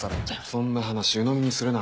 そんな話うのみにするな。